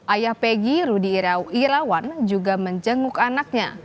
ayah peggy rudy irawan juga menjenguk anaknya